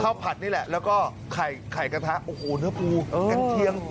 ผัดนี่แหละแล้วก็ไข่กระทะโอ้โหเนื้อปูกันเชียง